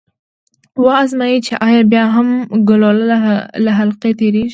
و ازمايئ چې ایا بیا هم ګلوله له حلقې تیریږي؟